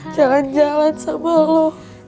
jalan jalan sama lo